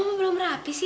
kok mama belum rapi sih